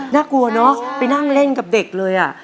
น่ากลัวเนอะไปนั่งเล่นกับเด็กเลยอ่ะ